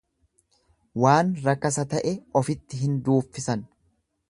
Waan rakasa ta'e ofitti hin duuffisan.